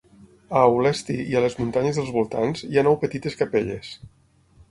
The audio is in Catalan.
A Aulesti i a les muntanyes dels voltants hi ha nou petites capelles.